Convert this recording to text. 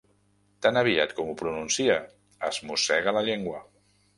Tan aviat com ho pronuncia es mossega la llengua.